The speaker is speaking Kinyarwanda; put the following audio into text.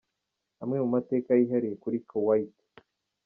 Amwe mu mateka yihariye kuri Kuwait:.